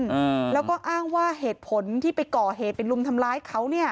อ่าแล้วก็อ้างว่าเหตุผลที่ไปก่อเหตุไปลุมทำร้ายเขาเนี้ย